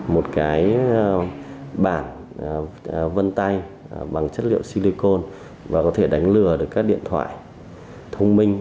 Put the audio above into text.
một cái bản vân tay bằng chất liệu silicon và có thể đánh lừa được các điện thoại thông minh